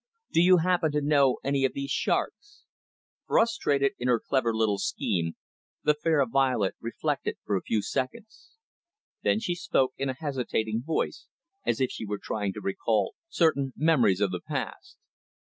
"Do you happen to know of any of these sharks?" Frustrated in her clever little scheme, the fair Violet reflected for a few seconds. Then she spoke in a hesitating voice, as if she were trying to recall certain memories of the past.